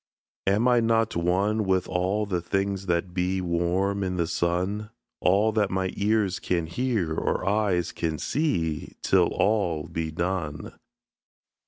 Am I not one with all the things that be Warm in the sun? All that my ears can hear, or eyes can see, Till all be done.